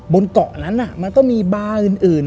บนเกาะนั้นมันก็มีบาร์อื่น